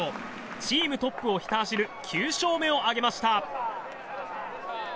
チームトップをひた走る９勝目を挙げました。